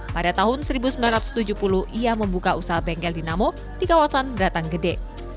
pada tahun seribu sembilan ratus tujuh puluh ia membuka usaha bengkel dinamo di kawasan beratang gede